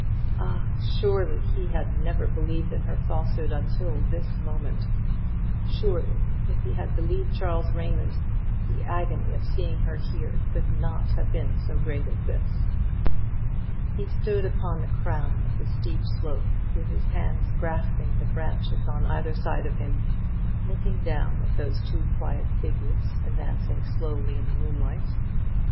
Ah, surely he had never believed in her falsehood until this moment; surely, if he had believed Charles Raymond, the agony of seeing her here could not have been so great as this! He stood upon the crown of the steep slope, with his hands grasping the branches on each side of him, looking down at those two quiet figures advancing slowly in the moonlight.